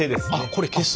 これ消す。